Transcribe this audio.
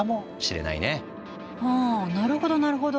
あなるほどなるほど。